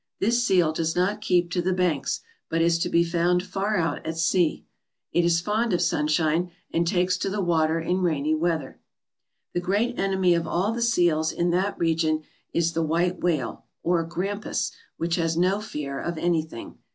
This seal does not keep to the banks, but is to be found far out at sea. It is fond of sunshine, and takes to the water in rainy weather. The great enemy of all the seals in that region is the white whale, or grampus, which has no fear of anything.